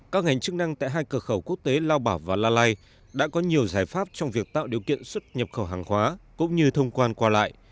các ngành chức năng tại hai cửa khẩu quốc tế lao bảo và la lai đã có nhiều giải pháp trong việc tạo điều kiện xuất nhập khẩu hàng hóa cũng như thông quan qua lại